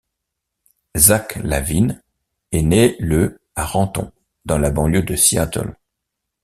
Zach LaVine est né le à Renton dans la banlieue de Seattle.